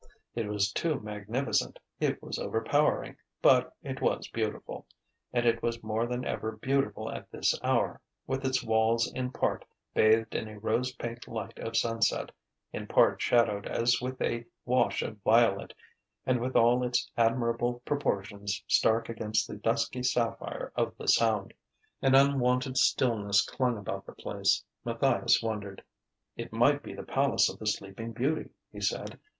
It was too magnificent, it was overpowering, but it was beautiful; and it was more than ever beautiful at this hour, with its walls in part bathed in a rose pink light of sunset, in part shadowed as with a wash of violet, and with all its admirable proportions stark against the dusky sapphire of the Sound. An unwonted stillness clung about the place. Matthias wondered. "It might be the palace of the Sleeping Beauty," he said.